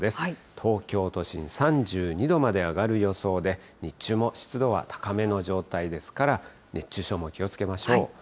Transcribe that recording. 東京都心３２度まで上がる予想で、日中も湿度は高めの状態ですから、熱中症も気をつけましょう。